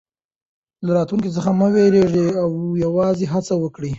له راتلونکي څخه مه وېرېږئ او یوازې هڅه وکړئ.